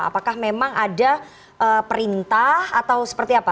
apakah memang ada perintah atau seperti apa